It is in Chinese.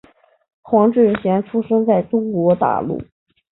黄志贤出生在中国大陆。